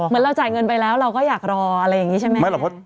เราจ่ายเงินไปแล้วเราก็อยากรออะไรอย่างนี้ใช่ไหม